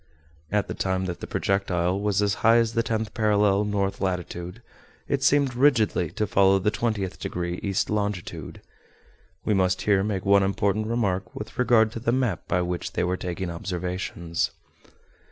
At the time that the projectile was as high as the tenth parallel, north latitude, it seemed rigidly to follow the twentieth degree, east longitude. We must here make one important remark with regard to the map by which they were taking observations.